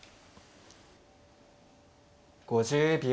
５０秒。